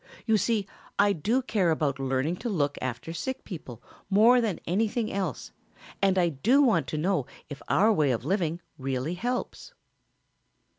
You see I do care about learning to look after sick people more than anything else and I do want to know if our way of living really helps."